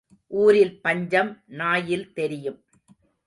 ஊரில் பஞ்சம் நாயில் தெரியும்.